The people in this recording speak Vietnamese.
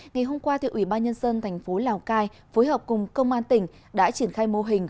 ngày hôm qua thì ủy ban nhân dân tp lào cai phối hợp cùng công an tỉnh đã triển khai mô hình